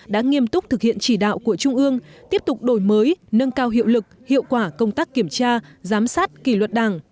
đã nghiêm túc thực hiện chỉ đạo của trung ương tiếp tục đổi mới nâng cao hiệu lực hiệu quả công tác kiểm tra giám sát kỷ luật đảng